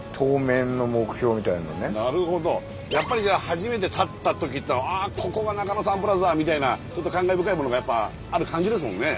やっぱりじゃあ初めて立った時って「あここが中野サンプラザ」みたいなちょっと感慨深いものがやっぱある感じですもんね。